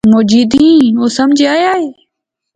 مجیدیں او سمجھایا